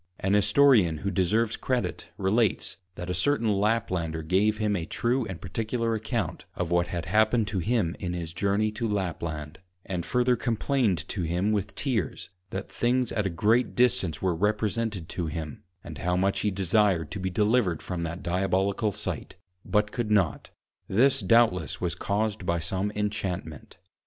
An Historian who deserves Credit, relates, that a certain Laplander gave him a true and particular Account of what had happened to him in his Journey to Lapland; and further complained to him with Tears, that things at great distance were represented to him, and how much he desired to be Delivered from that Diabolical Sight, but could not; this doubtless was caused by some Inchantment.